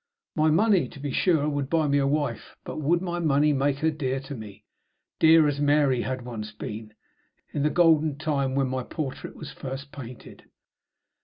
My money, to be sure, would buy me a wife; but would my money make her dear to me? dear as Mary had once been, in the golden time when my portrait was first painted?